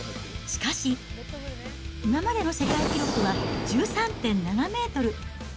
しかし、今までの世界記録は１３．７メートル。